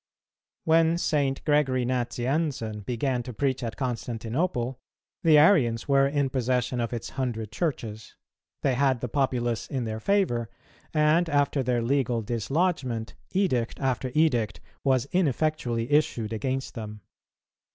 When St. Gregory Nazianzen began to preach at Constantinople, the Arians were in possession of its hundred churches; they had the populace in their favour, and, after their legal dislodgment, edict after edict was ineffectually issued against them.